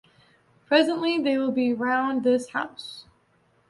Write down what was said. Presently they will be round this house.